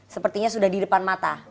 sepertinya sudah di depan mata